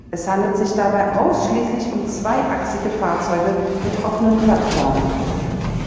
Es handelte sich dabei ausschließlich um zweiachsige Fahrzeuge mit offenen Plattformen.